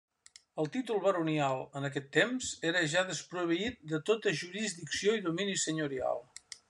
El títol baronial en aquest temps era ja desproveït de tota jurisdicció i domini senyorial.